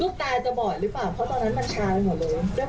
ลูกตาจะบ่นหรือเปล่าเพราะมันชาเหมือนเผ็ด